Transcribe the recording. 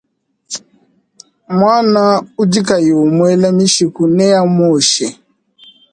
Muana udi kayi umuela mishiku neamuoshe.